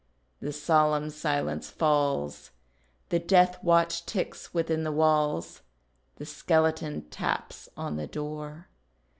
The solemn silence falls, The death watch ticks within the walls; The skeleton taps on the door.